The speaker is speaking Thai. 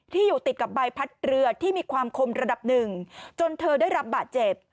อยู่ติดกับใบพัดเรือที่มีความคมระดับหนึ่งจนเธอได้รับบาดเจ็บ